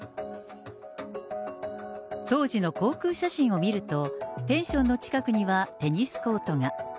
当時の航空写真を見ると、ペンションの近くにはテニスコートが。